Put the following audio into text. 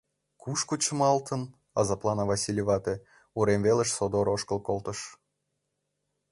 Кушко чымалтын? — азаплана Васлий вате, урем велыш содор ошкыл колтыш.